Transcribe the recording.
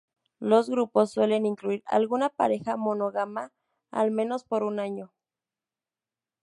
Los grupos suelen incluir alguna pareja monógama, al menos por un año.